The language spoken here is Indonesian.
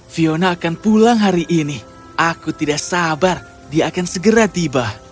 fiona akan pulang hari ini aku tidak sabar dia akan segera tiba